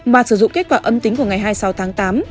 mà sử dụng kết quả âm tính của ngày hai mươi sáu tháng tám